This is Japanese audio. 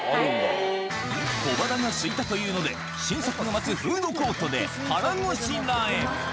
小腹が空いたというので、新作が待つフードコートで腹ごしらえ。